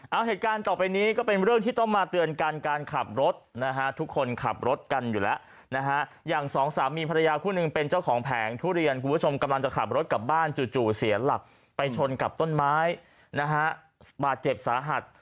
เอาเหตุการณ์ต่อไปนี้ก็เป็นเรื่องที่ต้องมาเตือนกันการขับรถนะฮะทุกคนขับรถกันอยู่แล้วนะฮะอย่างสองสามีภรรยาคู่หนึ่งเป็นเจ้าของแผงทุเรียนคุณผู้ชมกำลังจะขับรถกลับบ้านจู่เสียหลักไปชนกับต้นไม้นะฮะบาดเจ็บสาหัส